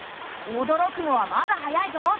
おどろくのはまだ早いぞ。